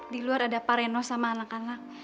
diluar ada pareno sama anak anak